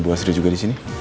bu astri juga disini